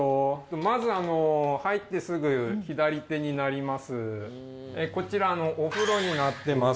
まず入ってすぐ左手になります。